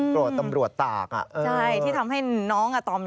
โกรธตำรวจตากใช่ที่ทำให้น้องอาตอม